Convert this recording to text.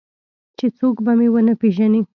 چې څوک به مې ونه پېژني.